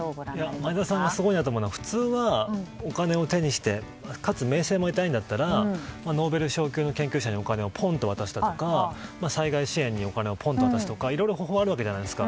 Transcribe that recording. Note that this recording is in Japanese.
前澤さんがすごいなと思うのは普通はお金を手にしてかつ名声も得たいんだったらノーベル賞級の研究者にお金をポンと渡したりとか災害支援にお金を渡すとかいろいろ方法はあるじゃないですか。